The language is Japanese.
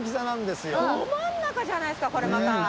ど真ん中じゃないですかこれまた。